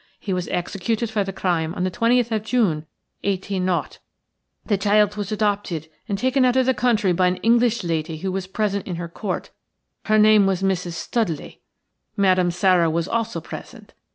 He was executed for the crime on the 20th of June, 18— . The child was adopted and taken out of the country by an English lady who was present in court – her name was Mrs. Studley. Madame Sara was also present.